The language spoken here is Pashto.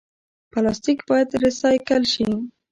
پلاستیک باید ریسایکل شي